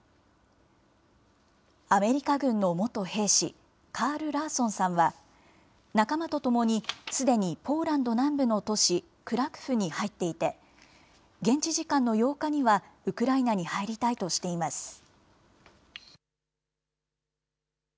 アメリカ軍の元兵士、カール・ラーソンさんは、仲間と共に、すでにポーランド南部の都市クラクフに入っていて、現地時間の８日には、ウクライナに入りたいとしています。